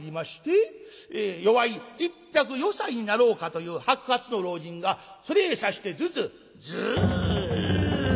よわい一百余歳になろうかという白髪の老人がそれへさしてズズズ。